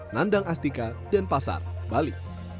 nandang astika dan pasar bali